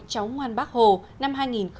cháu ngoan bác hồ năm hai nghìn một mươi chín